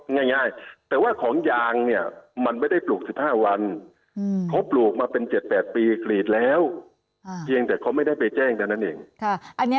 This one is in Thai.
ง่ายแต่ว่าของยางเนี่ยมันไม่ได้ปลูก๑๕วันเขาปลูกมาเป็น๗๘ปีกรีดแล้วเพียงแต่เขาไม่ได้ไปแจ้งเท่านั้นเอง